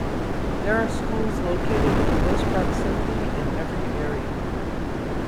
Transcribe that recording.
There are schools located in close proximity in every area.